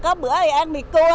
cái bữa thì ăn bị cua